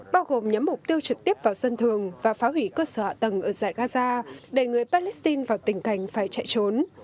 bao gồm nhắm mục tiêu trực tiếp vào dân thường và phá hủy cơ sở hạ tầng ở giải gaza đẩy người palestine vào tình cảnh phải chạy trốn